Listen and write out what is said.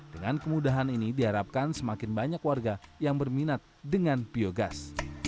dengan kemudahan ini diharapkan semakin banyak warga yang berminat dengan biogas